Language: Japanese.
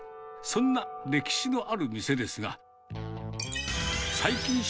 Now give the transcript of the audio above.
そんな歴史のある店ですが。